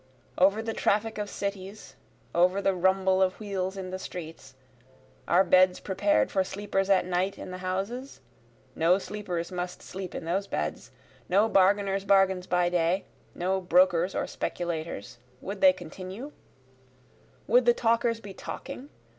Over the traffic of cities over the rumble of wheels in the streets; Are beds prepared for sleepers at night in the houses? no sleepers must sleep in those beds, No bargainers' bargains by day no brokers or speculators would they continue? Would the talkers be talking?